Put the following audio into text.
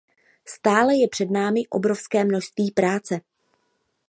Stále je před námi obrovské množství práce.